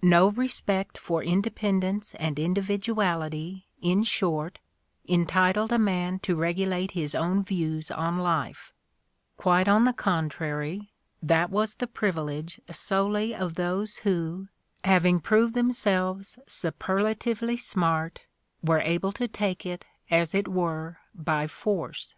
No respect for independence and individuality, in short, entitled a man to regulate his own views on life; quite on the contrary, that was the privilege solely of those who, having proved themselves superlatively "smart," were able to take it, as it were, by force.